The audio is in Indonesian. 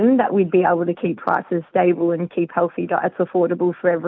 kita akan bisa menjaga harga stabil dan menjaga diet sehat yang berharga untuk semua orang